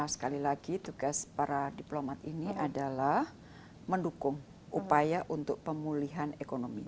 sekali lagi tugas para diplomat ini adalah mendukung upaya untuk pemulihan ekonomi